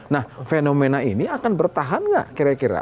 nah fenomena ini akan bertahan nggak kira kira